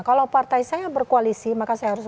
kalau partai saya berkoalisi maka saya harus